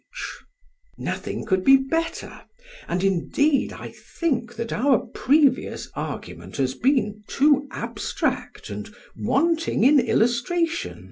PHAEDRUS: Nothing could be better; and indeed I think that our previous argument has been too abstract and wanting in illustrations.